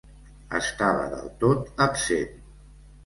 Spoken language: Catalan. Estava del tot absent.